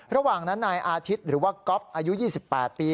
ระหว่างนั้นนายอาทิตย์หรือว่าก๊อฟอายุ๒๘ปี